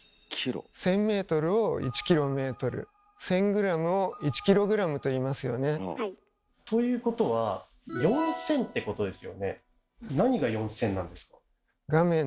１，０００メートルを１キロメートル１，０００グラムを１キログラムといいますよね。ということは４，０００ってことですよね。